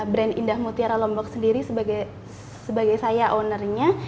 brand indah mutiara lombok sendiri sebagai saya ownernya